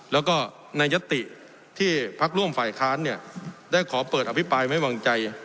แล้วก็ในยติที่พักร่วมฝ่ายค้านเนี่ยได้ขอเปิดอภิปรายไม่วางใจ